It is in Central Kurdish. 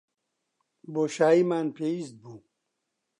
بۆشاییمان پێویست بوو.